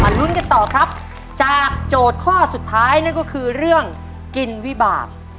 ลุ้นกันต่อครับจากโจทย์ข้อสุดท้ายนั่นก็คือเรื่องกินวิบาก